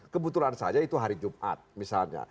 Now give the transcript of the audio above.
kebetulan saja itu hari jumat misalnya